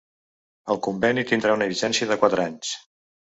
El conveni tindrà una vigència de quatre anys.